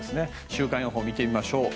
週間予報を見てみましょう。